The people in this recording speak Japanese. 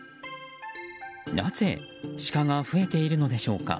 なぜシカが増えているのでしょうか。